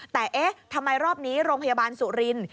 แต่เอ๊ะทำไมรอบนี้โรงพยาบาลสุรินทร์